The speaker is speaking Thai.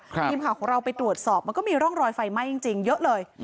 ทีมข่าวของเราไปตรวจสอบมันก็มีร่องรอยไฟไหม้จริงเยอะเลย